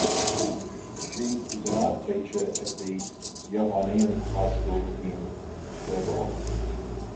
She is an art teacher at the Johanneum high school in Herborn.